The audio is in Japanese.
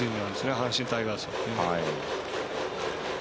阪神タイガースは。